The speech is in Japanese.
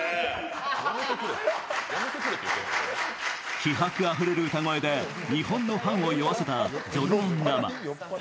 気迫あふれる歌声で日本のファンを酔わせたジョルナン・ラマ。